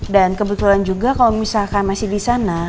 dan kebetulan juga kalau misalkan masih disana